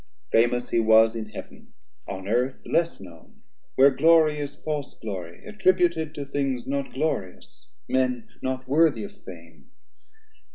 Famous he was in Heaven, on Earth less known; Where glory is false glory, attributed To things not glorious, men not worthy of fame.